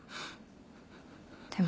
でも。